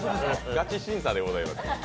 ガチ審査でございます。